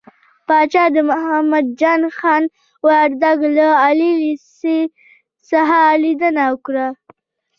پاچا د محمد جان خان وردک له عالي لېسې څخه ليدنه وکړه .